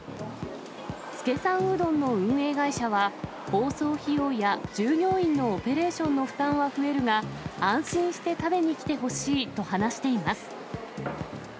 資さんうどんの運営会社は、包装費用や従業員のオペレーションの負担は増えるが、安心して食べに来てほしいと話しています。